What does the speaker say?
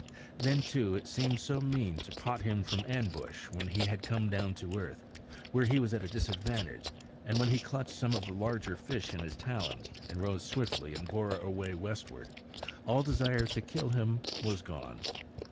Then, too, it seemed so mean to pot him from ambush when he had come down to earth, where he was at a disadvantage; and when he clutched some of the larger fish in his talons, and rose swiftly and bore away westward, all desire to kill him was gone.